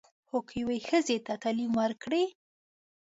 خو که یوې ښځې ته تعلیم ورکړې.